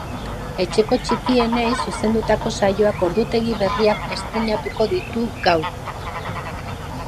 Etxeko txikienei zuzendutako saioak ordutegi berriak estreinatuko ditu gaur.